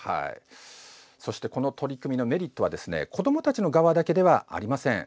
そしてこの取り組みのメリットは子どもたちの側だけではありません。